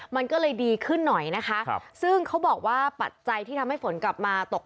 มันก็เลยดีขึ้นหน่อยนะคะซึ่งเขาบอกว่าปัจจัยที่ทำให้ฝนกลับมาตก